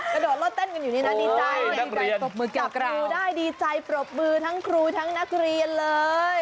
กระโดดลอดเต้นกันอยู่นี่นะดีใจดีใจปรบมือทั้งครูทั้งนักเรียนเลย